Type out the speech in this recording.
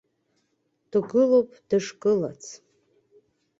Дгылоуп дышгылац.